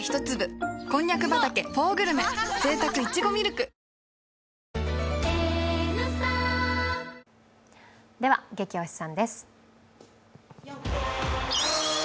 くださいでは、「ゲキ推しさん」です。